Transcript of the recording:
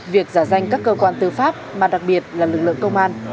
việc giả danh các cơ quan tư pháp mà đặc biệt là lực lượng công an